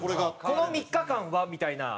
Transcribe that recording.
「この３日間は」みたいな。